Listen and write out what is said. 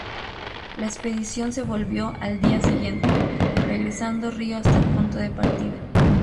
La expedición se volvió al día siguiente, regresando río hasta el punto de partida.